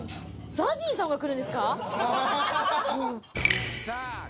ＺＡＺＹさんが来るんですか？